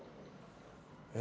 え？